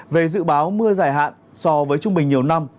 về dự báo mưa giải hạn so với trung bình nhiều năm